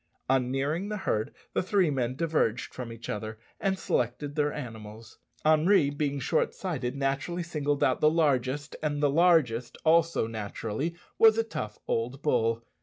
On nearing the herd, the three men diverged from each other and selected their animals. Henri, being short sighted, naturally singled out the largest; and the largest also naturally was a tough old bull.